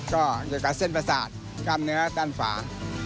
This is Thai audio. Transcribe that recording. ก็เกี่ยวกับเส้นประสาทกล้ามเนื้อด้านฝา